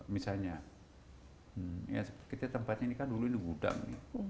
misalnya kita tempat ini kan dulu ini gudang